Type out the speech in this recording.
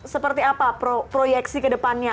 seperti apa proyeksi kedepannya